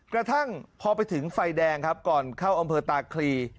กระทั่งพอไปถึงไฟแดงครับก่อนเข้าอำเภอตาคลี